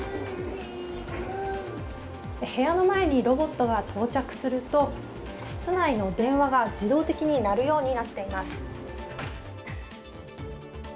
部屋の前にロボットが到着すると室内の電話が、自動的に鳴るようになっています。